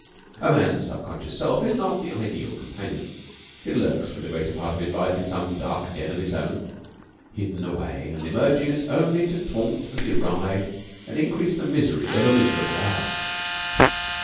A man's subconscious self is not the ideal companion. It lurks for the greater part of his life in some dark den of its own, hidden away, and emerges only to taunt and deride and increase the misery of a miserable hour.